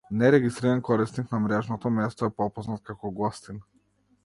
Нерегистриран корисник на мрежното место е попознат како гостин.